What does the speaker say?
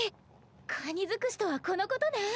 かに尽くしとはこのことね。